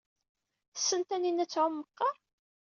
Tessen Taninna ad tɛum meqqar?